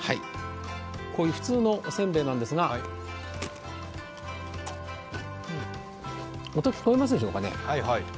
普通のおせんべいなんですが音聞こえますでしょうかね。